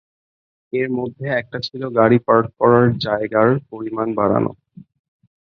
এর মধ্যে একটা ছিলো গাড়ি পার্ক করার জায়গার পরিমাণ বাড়ানো।